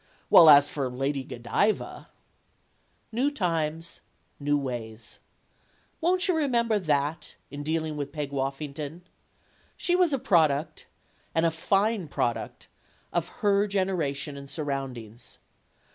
While as for Lady Go diva New times, new ways. Won't you remember that, in dealing with Peg Woffington? She was a product and a fine product of her generation and surround ings.